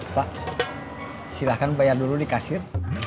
pak silahkan bayar dulu di kasir